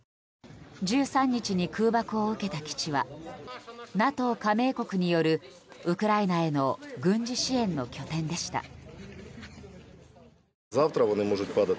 １３日に空爆を受けた基地はＮＡＴＯ加盟国によるウクライナへの軍事支援の拠点でした。